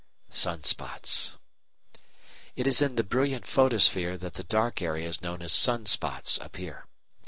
Sun spots It is in the brilliant photosphere that the dark areas known as sun spots appear.